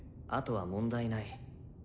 あとは問題ない。